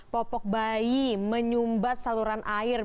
popok bayi menyumbat saluran air